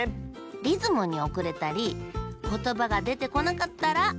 リズムにおくれたりことばがでてこなかったらまけよ。